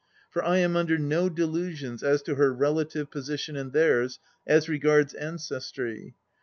For I am under no delusions as to her relative position and theirs, as regards ancestry.